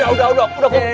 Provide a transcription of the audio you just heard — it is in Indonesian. udah udah udah kum